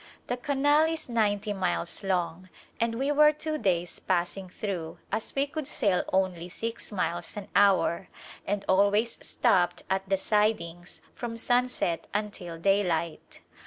The canal is ninety miles long and we were two davs passing through as we could sail only six miles an hour and always stopped at the "sidings" from sunset until daylight.